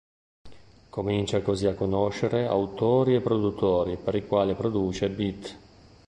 Comincia così a conoscere autori e produttori, per i quali produce "beat".